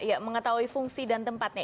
ya mengetahui fungsi dan tempatnya